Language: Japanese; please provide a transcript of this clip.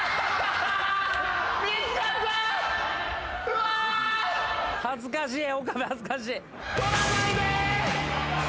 うわ恥ずかしい。